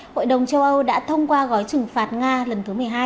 hội đồng châu âu đã thông qua gói trừng phạt nga lần thứ một mươi hai